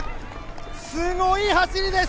すごい走りです！